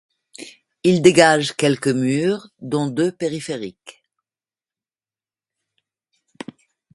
Il dégage quelques murs, dont deux périphériques.